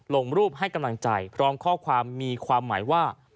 ลงรูปให้กำลังใจพร้อมข้อความมีความหมายว่า